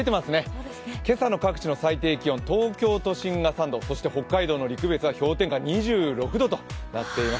今朝の各地の最低気温、東京都心が３度、北海道の陸別は氷点下２６度となっています。